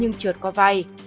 chuyện trượt có vai